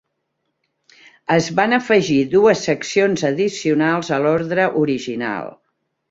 Es van afegir dues seccions addicionals a l'ordre original.